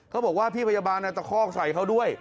เขาบอกว่าพี่พยาบาลตะคอกใส่เขาด้วย